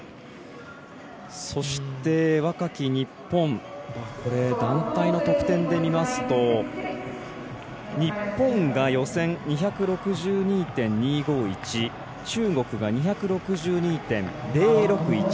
そして、若き日本団体の得点で見ますと日本が予選２６２．２５１中国が２６２．０６１